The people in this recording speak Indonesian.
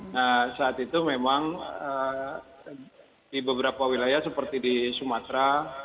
nah saat itu memang di beberapa wilayah seperti di sumatera